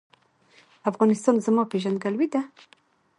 افغانستان زما پیژندګلوي ده؟